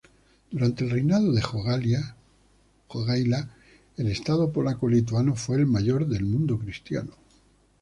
Durante el reinado de Jogaila, el Estado polaco-lituano fue el mayor del mundo cristiano.